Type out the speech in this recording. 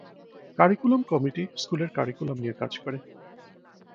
Curriculum committee স্কুলের curriculum নিয়ে কাজ করে।